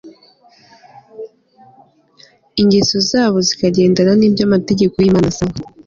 ingeso zabo zikagendana n'ibyo amategeko y'imana asaba